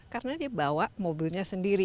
karena dia bawa mobilnya sendiri